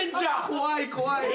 怖い怖い。